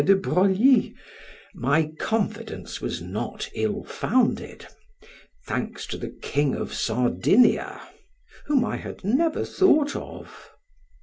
de Broglio) my confidence was not ill founded thanks to the King of Sardinia, whom I had never thought of.